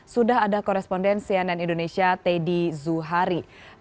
sudah ada koresponden cnn indonesia teddy zuhari